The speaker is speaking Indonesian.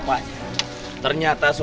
perjalanan yang baru